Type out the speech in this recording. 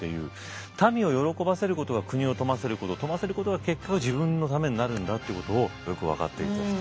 民を喜ばせることが国を富ませること富ませることが結果自分のためになるんだってことをよく分かっていた人。